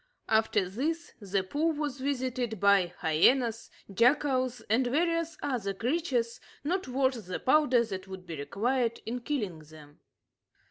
After this, the pool was visited by hyenas, jackals, and various other creatures not worth the powder that would be required in killing them.